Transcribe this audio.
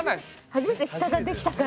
初めて下ができたから。